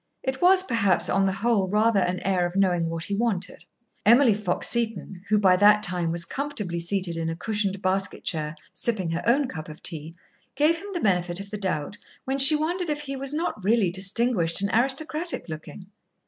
It was perhaps, on the whole, rather an air of knowing what he wanted. Emily Fox Seton, who by that time was comfortably seated in a cushioned basket chair, sipping her own cup of tea, gave him the benefit of the doubt when she wondered if he was not really distinguished and aristocratic looking.